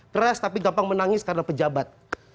keras tapi gampang menangis karena pejabat